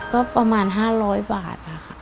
ก็ประมาณ๕๐๐บาทนะคะ